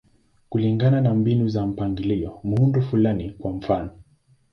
Kulingana na mbinu za mpangilio, muundo fulani, kwa mfano.